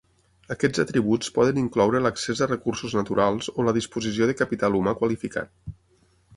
Aquests atributs poden incloure l'accés a recursos naturals o la disposició de capital humà qualificat.